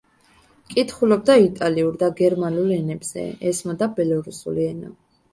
კითხულობდა იტალიურ და გერმანულ ენებზე, ესმოდა ბელორუსული ენა.